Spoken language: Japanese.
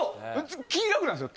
気が楽なんですよ。